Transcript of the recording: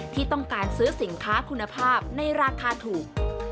ที่ต้องการซื้อสินค้าคุณภาพในราคาถูก